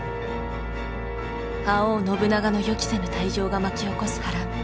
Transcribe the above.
覇王信長の予期せぬ退場が巻き起こす波乱。